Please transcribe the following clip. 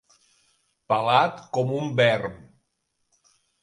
Pelat com un verm.